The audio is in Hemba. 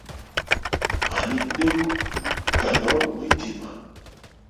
Maningo ningo ga nobe mwitima.